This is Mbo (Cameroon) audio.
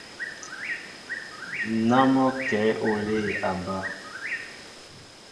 Ná mɔ́ o kɛ̌ olê a bá.